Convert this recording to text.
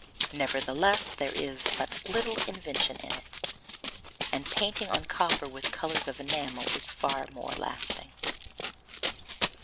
Nevertheless there is but little invention in it, and painting on copper with colours of enamel is far more lasting.